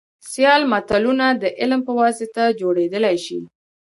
سیال ملتونه دعلم په واسطه جوړیدلی شي